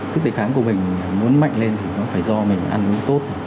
sức đề kháng của mình muốn mạnh lên thì nó phải do mình ăn uống tốt